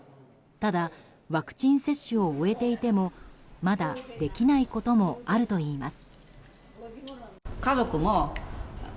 ただ、ワクチン接種を終えていてもまだできないこともあるといいます。